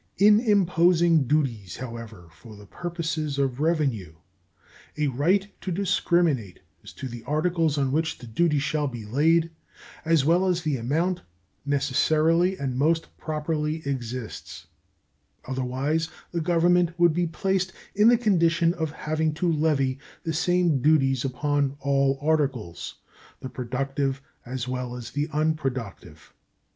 In imposing duties, however, for the purposes of revenue a right to discriminate as to the articles on which the duty shall be laid, as well as the amount, necessarily and most properly exists; otherwise the Government would be placed in the condition of having to levy the same duties upon all articles, the productive as well as the unproductive.